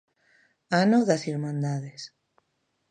Ano das Irmandades.